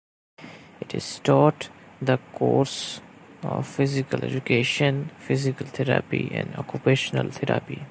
It is taught the course of physical education, physical therapy and occupational therapy.